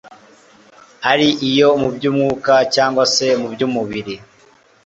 ari iyo mu by'umwuka cyangwa se mu by'umubiri